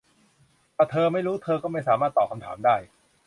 ถ้าเธอไม่รู้ เธอก็ไม่สามารถตอบคำถามได้